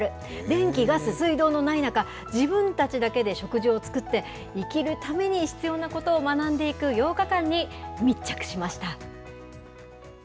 電気、ガス、水道のない中、自分たちだけで食事を作って、生きるために必要なことを学んでいく８日間に密着しました。